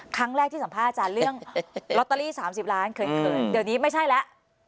ครั้งแรกที่สัมภาษณ์อาจารย์เรื่องลอตเตอรี่๓๐ล้านเคยเดี๋ยวนี้ไม่ใช่แล้ว